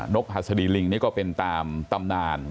กหัสดีลิงนี่ก็เป็นตามตำนาน